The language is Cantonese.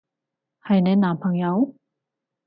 係你男朋友？